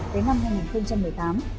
đến năm hai nghìn một mươi tám